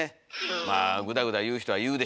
まあぐだぐだ言う人は言うでしょうからね。